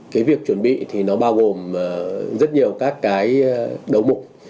cái việc chuẩn bị thì nó bao gồm rất nhiều các cái đầu mục